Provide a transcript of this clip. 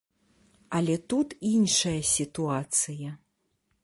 Але тут іншая сітуацыя.